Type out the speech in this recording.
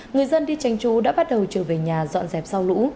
người dân đi tranh chú đã bắt đầu trở về nhà dọn dẹp sau lũ